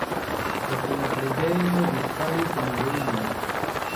Poste la preĝejo disfalis en ruinoj.